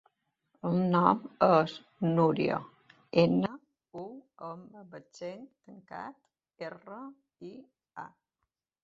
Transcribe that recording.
El nom és Núria: ena, u amb accent tancat, erra, i, a.